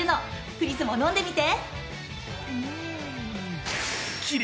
クリスも飲んでみて。